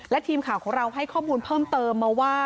และทีมข่าวของเราให้ข้อมูลเพิ่มเติมมาว่า